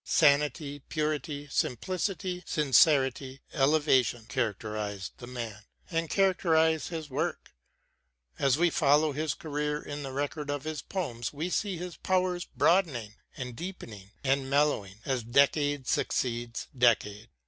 Sanity, purity, simplicity, sincerity, elevation characterised the man, and characterise his work. As we follow his career in the record of his poems we see his powers broadening and deepening and mellowing, as decade succeeds decade.